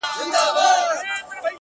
ورځه وريځي نه جــلا ســـولـه نـــن-